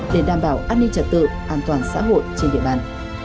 để đảm bảo an ninh trật tự an toàn xã hội trên địa bàn